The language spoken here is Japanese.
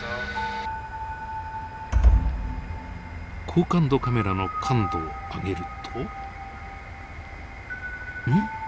高感度カメラの感度を上げるとん？